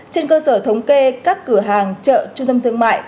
trên cơ sở thống kê các cửa hàng chợ trung tâm thương mại